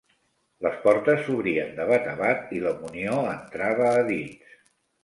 Les portes s'obrien de bat a bat, i la munió entrava a dins